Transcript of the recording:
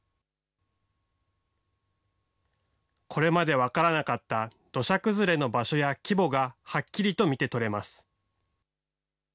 これまで分からなかった土砂崩れの場所や規模がはっきりと見て取れます。